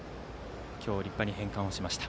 今日、立派に返還しました。